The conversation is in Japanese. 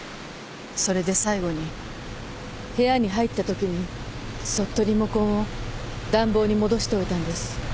それで最後に部屋に入ったときにそっとリモコンを暖房に戻しておいたんです。